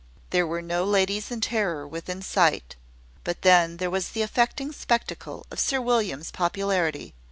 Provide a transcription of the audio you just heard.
There were no ladies in terror within sight: but then there was the affecting spectacle of Sir William's popularity.